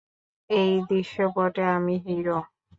এই দৃশ্যপটে আমি হিরো।